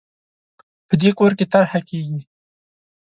په دې کور کې طرحه کېږي